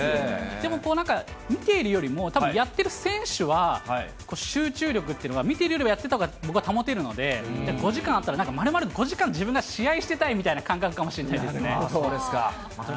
でもなんか、見ているよりも、たぶん、やってる選手は、集中力っていうのが、見ているよりもやっているほうが僕は保てるので、５時間あったら、まるまる５時間自分が試合してたいみたいな感覚かもしれないです